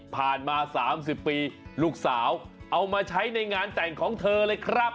มา๓๐ปีลูกสาวเอามาใช้ในงานแต่งของเธอเลยครับ